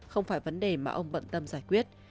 không phải vấn đề mà ông bận tâm giải quyết